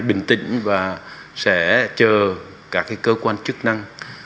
bình tĩnh và sẽ chờ các cơ quan chức năng